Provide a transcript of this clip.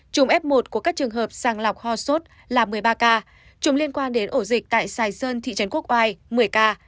trùng f một của các trường hợp sàng lọc ho sốt là một mươi ba ca trùng liên quan đến ổ dịch tại sài sơn thị trấn quốc oai một mươi ca